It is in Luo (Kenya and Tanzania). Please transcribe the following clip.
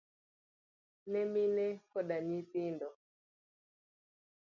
ne mine koda nyithindo.